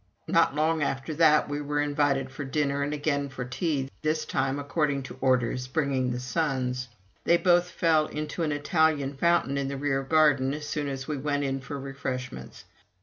Not long after that we were invited for dinner, and again for tea, this time, according to orders, bringing the sons. They both fell into an Italian fountain in the rear garden as soon as we went in for refreshments.